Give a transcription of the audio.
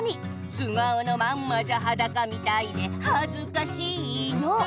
「素顔のままじゃはだかみたいではずかしいの！」